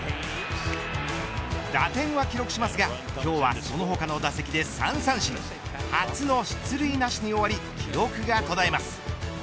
打点は記録しますが今日はその他の打席で３三振初の出塁なしに終わり記録が途絶えます。